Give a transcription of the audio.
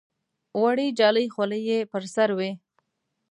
وړې جالۍ خولۍ یې پر سر وې.